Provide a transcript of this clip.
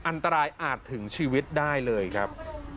อันตรายอาจถึงชีวิตได้เลยครับ